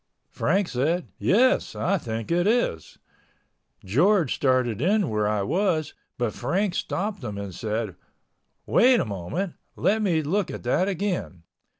Frank said, "Yes, I think it is." George started in where I was, but Frank stopped him and said, "Wait a minute, let me look at that again."